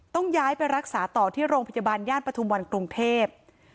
ต้องย้ายไปรักษาต่อที่โรงพยาบาลย่านปฐุมวันกรุงเทพ